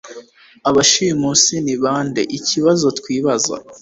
Abashimusi ni bandeikibazo twibaza